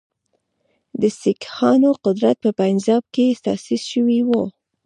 د سیکهانو قدرت په پنجاب کې تاسیس شوی وو.